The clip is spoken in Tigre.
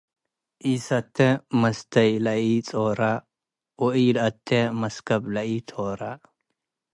ኢሰቴ መስተይ ለኢጾረ ወኢለአቴ መስከብ ለኢቶረ።